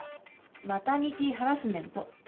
マタニティーハラスメント。